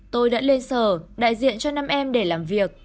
tôi đã lên sở đại diện cho năm em để làm việc